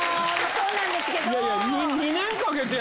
そうなんですね。